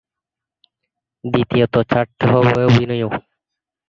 দ্বিতীয়ত, ছাড়তে হবে অভিনয়ও।